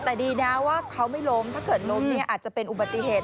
แต่ดีนะว่าเขาไม่ล้มถ้าเกิดล้มเนี่ยอาจจะเป็นอุบัติเหตุ